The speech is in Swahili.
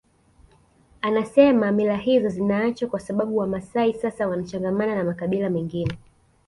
Anasema mila hizo zinaachwa kwa sababu Wamaasai sasa wanachangamana na makabila mengine